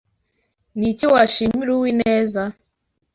Ni iki washimira Uwineza.